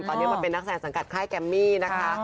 ตอนนี้มาเป็นนักแสดงสังกัดค่ายแกมมี่นะคะ